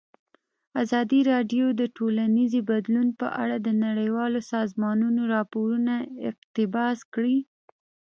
ازادي راډیو د ټولنیز بدلون په اړه د نړیوالو سازمانونو راپورونه اقتباس کړي.